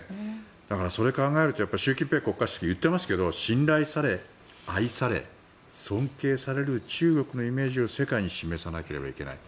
だからそれを考えると習近平国家主席、言ってますけど信頼され、愛され尊敬される中国のイメージを世界に示さなければいけない。